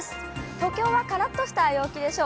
東京はからっとした陽気でしょう。